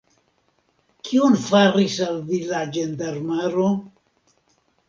Kion faris al vi la ĝendarmaro?